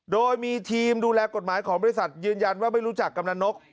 โดยมีทีมดูแลกฎหมายของบริษัทยืนยันว่าไม่รู้จักกำนันนก